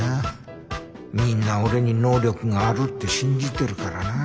みんな俺に能力があるって信じてるからな。